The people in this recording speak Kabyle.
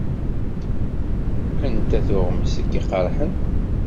Anta tuɣmest i k-iqeṛḥen?